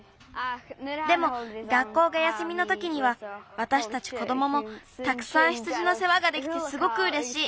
でも学校が休みのときにはわたしたちこどももたくさん羊のせわができてすごくうれしい。